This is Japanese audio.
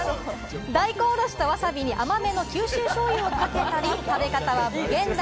大根おろしとわさびに甘めの九州醤油をかけたり、食べ方は無限大。